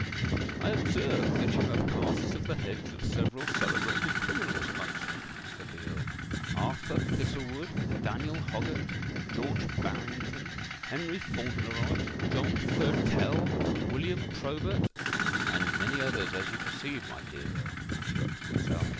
"I observe that you have casts of the heads of several celebrated criminals amongst them," said the Earl: "Arthur Thistlewood—Daniel Hoggart—George Barrington—Henry Fauntleroy—John Thurtell—William Probert——" "And many others, as you perceive, my dear Earl," interrupted Lascelles.